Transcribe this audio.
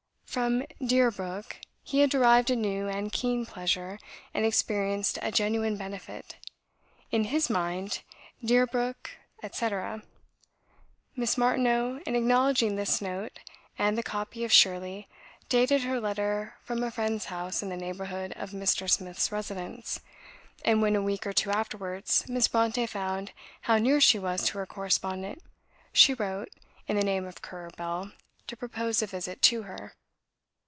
From "Deerbrook" he had derived a new and keen pleasure, and experienced a genuine benefit. In HIS mind "Deerbrook," etc. Miss Martineau, in acknowledging this note and the copy of "Shirley," dated her letter from a friend's house in the neighbourhood of Mr. Smith's residence; and when, a week or two afterwards, Miss Brontë found how near she was to her correspondent, she wrote, in the name of Currer Bell, to propose a visit to her.